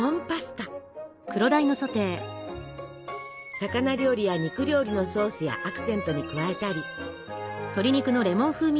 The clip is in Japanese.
魚料理や肉料理のソースやアクセントに加えたり。